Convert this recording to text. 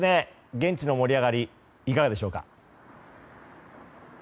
現地の盛り上がりはいかがでしょうか？